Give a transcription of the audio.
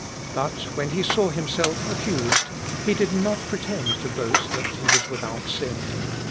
But when he saw himself accused, he did not pretend to boast that he was without sin.